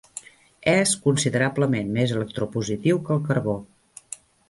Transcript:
És considerablement més electropositiu que el carbó.